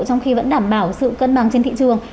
trong khi vẫn đảm bảo sự cân bằng trên thị trường